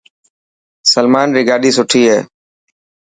سلمان ري گاڏي سٺي هي.